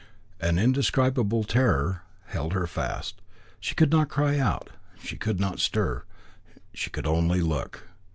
An indescribable terror held her fast. She could not cry out. She could not stir. She could only look.